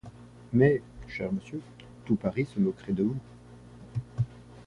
Mais, cher monsieur, tout Paris se moquerait de vous.